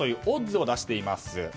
オッズを出しています。